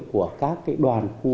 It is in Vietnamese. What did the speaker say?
của các cái đoàn